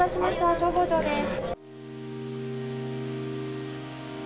消防庁です。